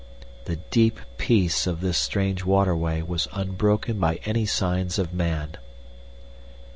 The deep peace of this strange waterway was unbroken by any sign of man.